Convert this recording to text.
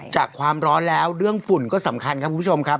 จากความร้อนแล้วเรื่องฝุ่นก็สำคัญครับคุณผู้ชมครับ